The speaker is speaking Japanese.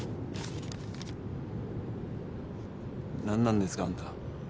何なんですかあんた。